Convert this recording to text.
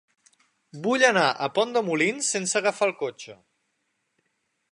Vull anar a Pont de Molins sense agafar el cotxe.